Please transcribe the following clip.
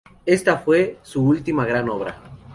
Esta fue su última gran obra.